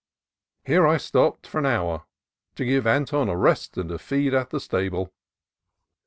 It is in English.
Here I stopped for an hour to give Anton a rest and a feed at the stable.